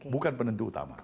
bukan penentu utama